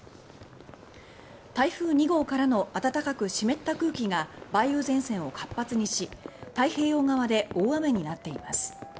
台風２号からの暖かく湿った空気が梅雨前線を活発にし太平洋側で大雨になっています。